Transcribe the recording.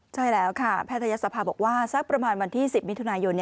ใช่แล้วค่ะแพทยศภาบอกว่าสักประมาณวันที่๑๐มิถุนายน